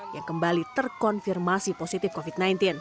yang kembali terkonfirmasi positif covid sembilan belas